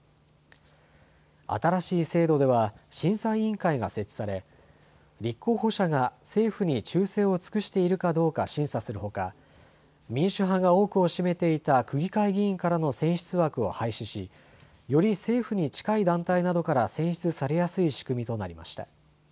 新しい制度では、審査委員会が設置され、立候補者が政府に忠誠を尽くしているかどうか審査するほか、民主派が多くを占めていた区議会議員からの選出枠を廃止し、より政府に近い団体などから選出されやすい仕組みとなりました。